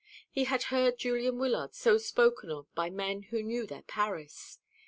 He had heard Julian Wyllard so spoken of by men who knew their Paris.